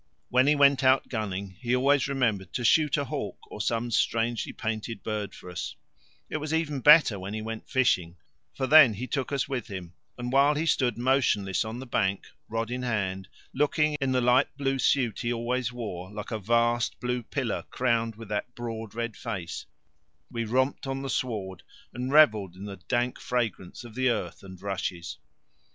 When he went out gunning he always remembered to shoot a hawk or some strangely painted bird for us; it was even better when he went fishing, for then he took us with him, and while he stood motionless on the bank, rod in hand, looking, in the light blue suit he always wore, like a vast blue pillar crowned with that broad red face, we romped on the sward, and revelled in the dank fragrance of the earth and rushes.